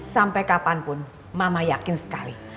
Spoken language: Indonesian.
sampai kapanpun mama yakin sekali